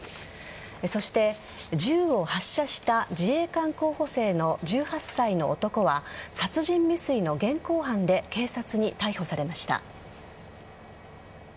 そして銃を発射した自衛官候補生の１８歳の男は殺人未遂の現行犯で警察に逮捕されました。